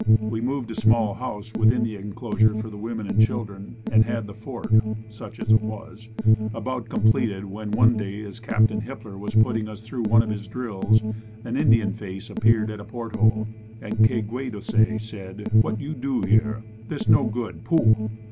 We moved a small house within the enclosure for the women and children and had the fort, such as it was, about completed when one day as Captain Hippler was putting us through one of his drills an Indian face appeared at a port hole and Kay gway do say said, "What you do here, this no good, pooh!"